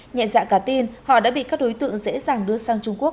nhận dạng cả tin họ đã bị các đối tượng dễ dàng đưa sang trung quốc